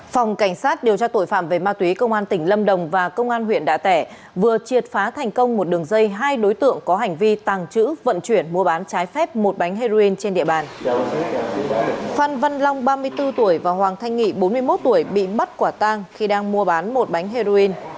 phan văn long ba mươi bốn tuổi và hoàng thanh nghị bốn mươi một tuổi bị bắt quả tang khi đang mua bán một bánh heroin